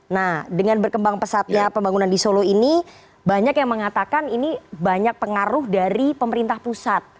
nah dengan berkembang pesatnya pembangunan di solo ini banyak yang mengatakan ini banyak pengaruh dari pemerintah pusat